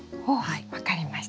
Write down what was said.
分かりました。